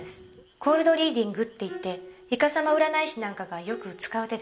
コールド・リーディングっていってイカサマ占い師なんかがよく使う手です。